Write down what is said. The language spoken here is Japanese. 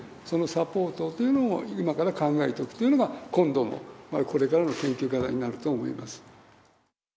そのサポートというのを、今から考えておくというのが、今度の、これからの研究課題になると思います。